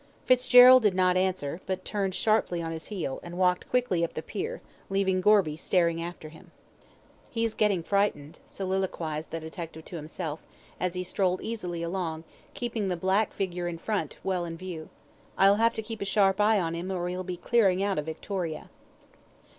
Fitzgerald did not answer, but turned sharply on his heel, and walked quickly up the pier, leaving Gorby staring after him. "He's getting frightened," soliloquised the detective to himself, as he strolled easily along, keeping the black figure in front well in view. "I'll have to keep a sharp eye on him or he'll be clearing out of Victoria."